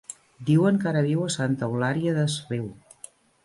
Diuen que ara viu a Santa Eulària des Riu.